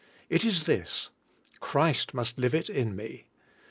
It is this: "Christ must live it in me."